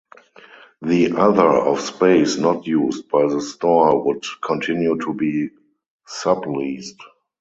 The other of space not used by the store would continue to be subleased.